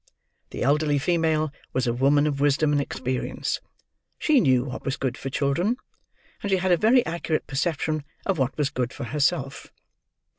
The elderly female was a woman of wisdom and experience; she knew what was good for children; and she had a very accurate perception of what was good for herself.